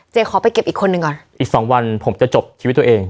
ขอไปเก็บอีกคนนึงก่อนอีกสองวันผมจะจบชีวิตตัวเอง